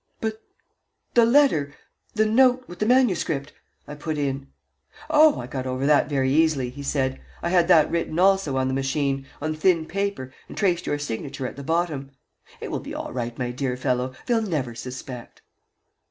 "But the letter the note with the manuscript?" I put in. "Oh, I got over that very easily," he said. "I had that written also on the machine, on thin paper, and traced your signature at the bottom. It will be all right, my dear fellow. They'll never suspect."